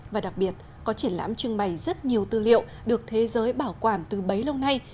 và đặc biệt có triển lãm trưng bày rất nhiều tư liệu được thế giới bảo quản từ bấy lâu nay